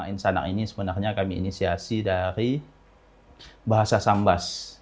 nama insanang ini sebenarnya kami inisiasi dari bahasa sambas